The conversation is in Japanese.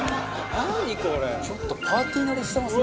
中丸：ちょっとパーティー慣れしてますね。